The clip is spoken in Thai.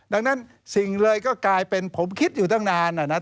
ดังนั้นสิ่งเลยก็กลายเป็นผมคิดอยู่ตั้งนานนะครับ